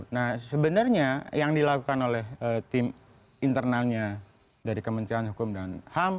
nah sebenarnya yang dilakukan oleh tim internalnya dari kementerian hukum dan ham